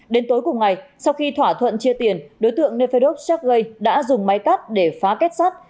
đến tối cùng ngày sau khi thỏa thuận chia tiền đối tượng nepharov sergei đã dùng máy cắt để phá kết sắt